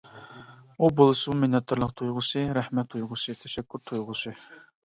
ئۇ بولسىمۇ مىننەتدارلىق تۇيغۇسى، رەھمەت تۇيغۇسى، تەشەككۈر تۇيغۇسى!